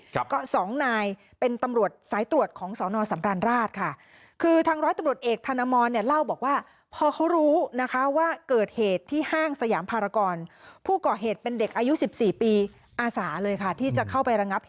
ครับก็สองนายเป็นตำรวจสายตรวจของสรน